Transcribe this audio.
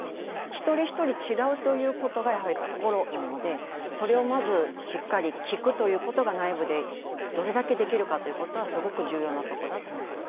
一人一人違うということが、やはり心なのでそれをまずしっかり聞くことが内部でどれだけできるかというところは非常に重要なところだと思います。